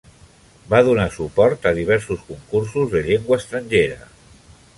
Va donar suport a diversos concursos de llengua estrangera.